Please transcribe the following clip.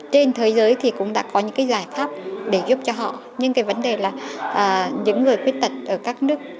trên thế giới thì cũng đã có những cái giải pháp để giúp cho họ nhưng cái vấn đề là những người khuyết tật ở các nước